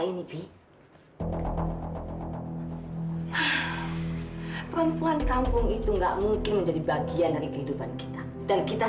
ini b perempuan kampung itu enggak mungkin menjadi bagian dari kehidupan kita dan kita